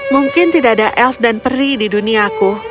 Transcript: mungkin tidak ada elf dan peri di duniaku